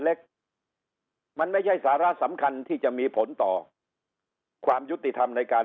เล็กมันไม่ใช่สาระสำคัญที่จะมีผลต่อความยุติธรรมในการ